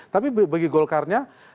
tapi bagi golkarnya